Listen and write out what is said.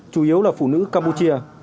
chủ yếu là phụ nữ campuchia